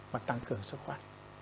và tăng cường sơ khoát